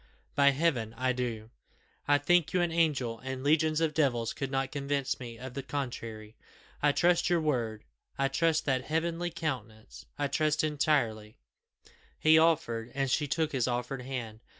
By Heaven I do! I think you an angel, and legions of devils could not convince me of the contrary. I trust your word I trust that heavenly countenance I trust entirely " He offered, and she took his offered hand.